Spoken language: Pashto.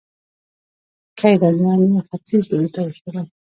کيداريان يې ختيځ لوري ته وشړل